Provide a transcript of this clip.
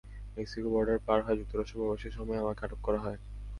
Mexico border পার হয়ে যুক্তরাষ্ট্র প্রবেশের সময় আমাকে আটক করা হয়।